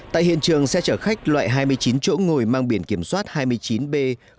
tại hiện trường xe chở khách loại hai mươi chín chỗ ngồi mang biển kiểm soát hai mươi chín b một nghìn một trăm hai mươi hai